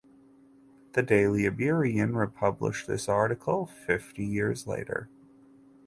The "Daily Iberian" republished this article fifty years later.